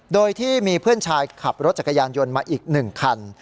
โดยที่มีเพื่อนชายขับรถจักรยานยนต์มาอีก๑คัน